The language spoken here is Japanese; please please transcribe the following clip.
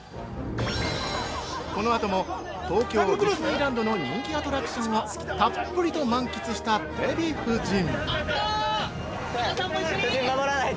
このあとも東京ディズニーランドの人気アトラクションをたっぷりと満喫したデヴィ夫人。